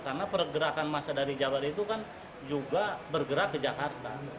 karena pergerakan masa dari jabar itu kan juga bergerak ke jakarta